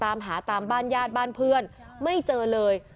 ตามหาตามบ้านญาติบ้านเพื่อนไม่เจอเลย